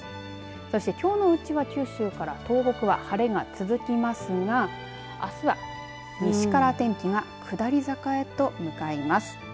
そしてきょうのうちは九州から東北は晴れが続きますがあすは西から天気が下り坂へと向かいます。